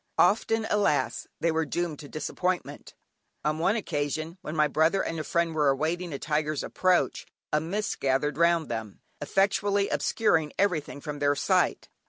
Often, alas! they were doomed to disappointment. On one occasion when my brother and a friend were awaiting a tiger's approach, a mist gathered round them, effectually obscuring everything from their sight.